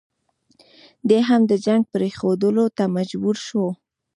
دی هم د جنګ پرېښودلو ته مجبور شو.